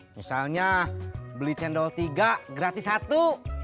misalnya beli cendol tiga gratis satu